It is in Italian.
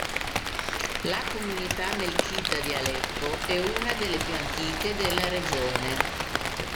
La comunità melchita di Aleppo è una delle più antiche della regione.